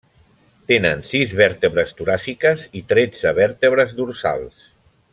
Tenen sis vèrtebres toràciques i tretze vèrtebres dorsals.